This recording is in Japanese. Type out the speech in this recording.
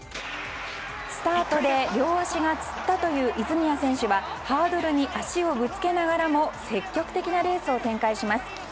スタートで両足がつったという泉谷選手はハードルに足をぶつけながらも積極的なレースを展開します。